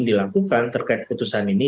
dilakukan terkait putusan ini